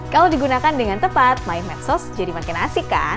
kalau digunakan dengan tepat main medsos jadi makin asik kan